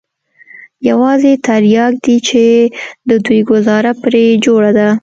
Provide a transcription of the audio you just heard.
يوازې ترياک دي چې د دوى گوزاره پرې جوړه ده.